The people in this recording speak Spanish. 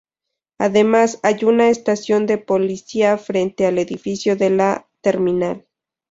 Además, hay una estación de policía frente al edificio de la terminal.